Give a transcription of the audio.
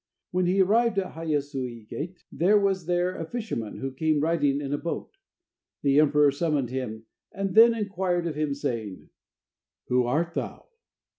When he arrived at the Haya suhi gate, there was there a fisherman who came riding in a boat. The emperor summoned him and then inquired of him, saying: "Who art thou?"